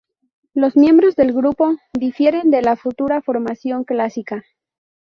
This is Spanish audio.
Los miembros del grupo difieren de la futura formación clásica.